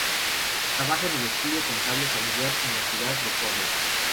Trabaja en el estudio contable familiar en la ciudad de Córdoba.